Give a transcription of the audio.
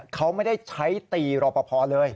เขาไม่ได้ใช้ตีรอบพอพอเลย